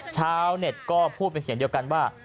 ชาวเน็ตก็พูดเป็นเสียงเดียวกันว่า